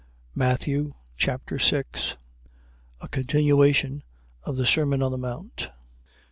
Matthew Chapter 6 A continuation of the sermon on the mount.